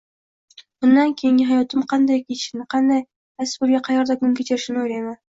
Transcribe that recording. Bundan keyingi hayotim qanday kechishini, qaysi pulga, qaerda kun kechirishimni o`ylayman